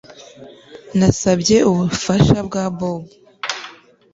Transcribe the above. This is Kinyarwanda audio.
Nasabye ubufasha bwa Bob